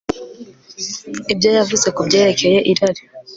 ibyo yavuze ku byerekeye irari